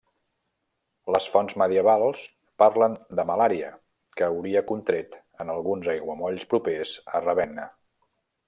Les fonts medievals parlen de malària, que hauria contret en alguns aiguamolls propers a Ravenna.